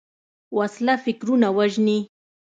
وسله فکرونه وژني